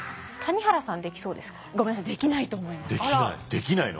できないの？